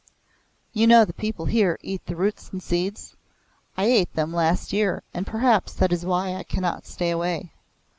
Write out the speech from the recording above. You know the people here eat the roots and seeds? I ate them last year and perhaps that is why I cannot stay away.